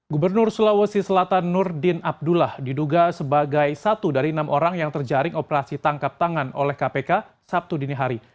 gubernur sulawesi selatan nurdin abdullah diduga sebagai satu dari enam orang yang terjaring operasi tangkap tangan oleh kpk sabtu dini hari